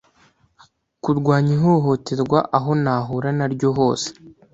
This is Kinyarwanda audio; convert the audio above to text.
Kurwanya ihohoterwa aho nahura na ryo hose